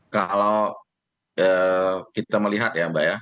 kalau kita melihat ya mbak ya